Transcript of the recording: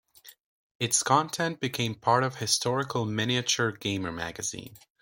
Its content became part of Historical Miniature Gamer Magazine.